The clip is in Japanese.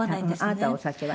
あなたお酒は？